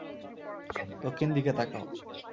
দক্ষিণ দিকে তাকাও।